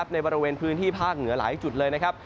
ในบริเวณพื้นที่ภาคเหนือหลายจุดเลยนะครับ